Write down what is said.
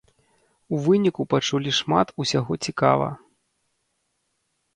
У выніку пачулі шмат усяго цікава.